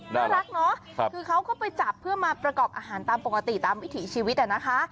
น่ารักเนาะคือเขาก็ไปจับเพื่อมาประกอบอาหารตามปกติตามวิถีชีวิตนะคะ